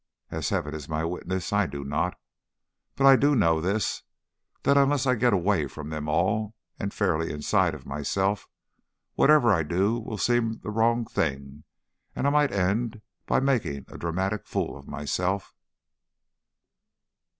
As heaven is my witness, I do not. But I do know this, that unless I get away from them all and fairly inside of myself, whatever I do will seem the wrong thing and I might end by making a dramatic fool of myself."